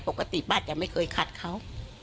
ปกติป้าจะไม่เคยขัดเขา